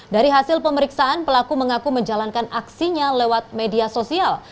dari hasil pemeriksaan pelaku mengaku menjalankan aksinya lewat media sosial